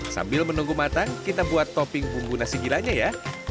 sambil menunggu matang kita buat topping bumbu nasi gilanya ya